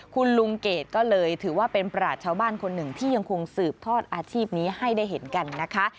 คุณลุงเกดก็เลยถือว่าเป็นประหลาดชาวบ้านคนหนึ่งที่ยังคงสืบทอดอาชีพนี้ให้ได้เห็นกันนะคะ